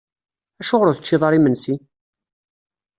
Acuɣer ur teččiḍ ara imensi?